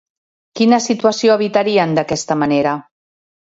Quina situació evitarien, d'aquesta manera?